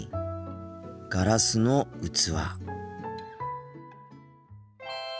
ガラスの器。